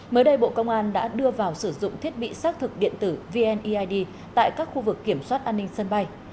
mới đây bộ công an đã đưa vào sử dụng thiết bị xác thực điện tử vneid tại các khu vực kiểm soát an ninh sân bay